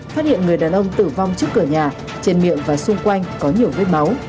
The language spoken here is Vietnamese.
phát hiện người đàn ông tử vong trước cửa nhà trên miệng và xung quanh có nhiều vết máu